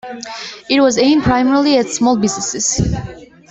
It was aimed primarily at small businesses.